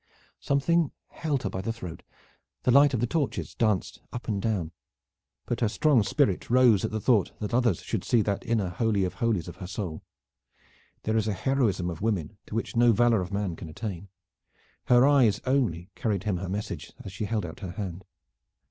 Something held her by the throat, the light of the torches danced up and down; but her strong spirit rose at the thought that others should see that inner holy of holies of her soul. There is a heroism of women to which no valor of man can attain. Her eyes only carried him her message as she held out her hand.